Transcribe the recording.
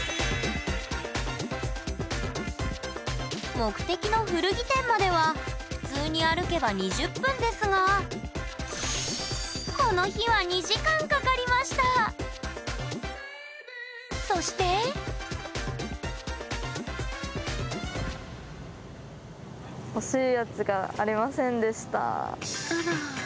目的の古着店までは普通に歩けば２０分ですがこの日はそしてあら。